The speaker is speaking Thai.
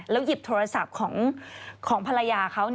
หยิบโทรศัพท์ของภรรยาเขา